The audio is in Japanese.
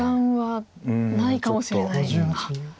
はい。